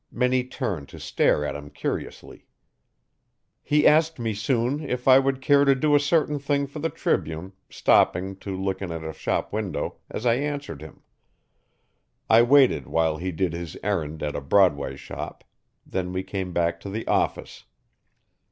Many turned to stare at him curiously. He asked me, soon, if I would care to do a certain thing for the Tribune, stopping, to look in at a shop window, as I answered him. I waited while he did his errand at a Broadway shop; then we came back to the office.